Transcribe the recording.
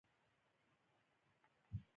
ځکه چي زه ډيری خبری نه کوم